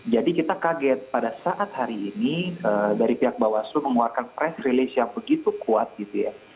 jadi kita kaget pada saat hari ini dari pihak bawah aslu mengeluarkan press release yang begitu kuat gitu ya